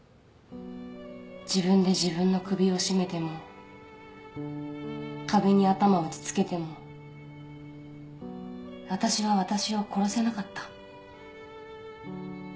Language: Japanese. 自分で自分の首を絞めても壁に頭を打ち付けても私は私を殺せなかった。